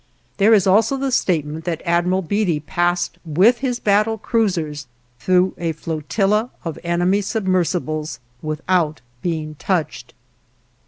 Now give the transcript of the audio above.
There is also the statement that Admiral Beatty passed with his battle cruisers through a flotilla of enemy submersibles without being touched.